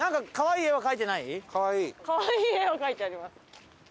可愛い絵は描いてあります。